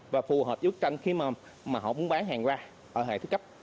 và phù hợp với bức tranh khi mà họ muốn bán hàng ra ở hệ thức cấp